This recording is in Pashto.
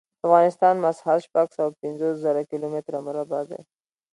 د افغانستان مسحت شپږ سوه پنځوس زره کیلو متره مربع دی.